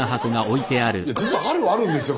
ずっとあるはあるんですよ